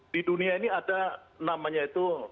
di dunia ini ada namanya itu